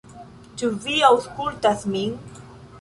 Ĉu vi aŭskultas min?